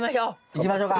いきましょうか。